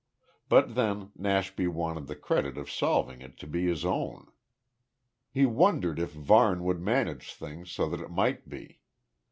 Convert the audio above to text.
But then, Nashby wanted the credit of solving it to be his own. He wondered if Varne would manage things so that it might be.